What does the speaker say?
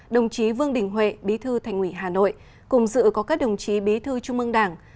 đồng chí vương đình huệ bí thư thành ủy hà nội cùng dự có các đồng chí bí thư trung ương đảng